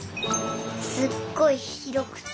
すっごいひろくて。